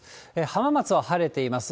浜松は晴れています。